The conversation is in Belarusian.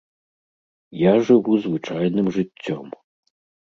Я жыву звычайным жыццём.